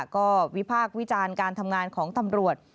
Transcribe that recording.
ก็วิพากษ์วิจารณ์การทำงานของตำรวจ